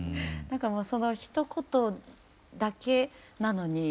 なんかそのひと言だけなのに